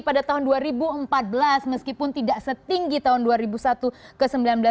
pada tahun dua ribu empat belas meskipun tidak setinggi tahun dua ribu satu ke seribu sembilan ratus sembilan puluh